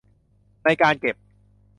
ในการเก็บ